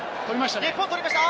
日本取りました。